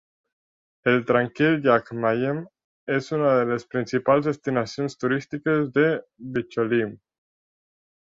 El tranquil llac Mayem és una de les principals destinacions turístiques de Bicholim.